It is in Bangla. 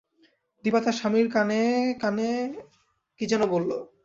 দিপা তার স্বামীর কানো-কানে কী যেন বলল!